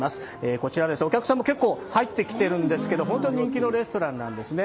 こちらお客さんも結構入ってきているんですけど、本当に人気のレストランなんですね。